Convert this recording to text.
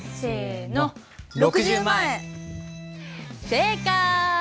正解！